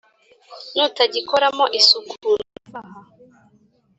Nutagikoramo isuku ntuva aha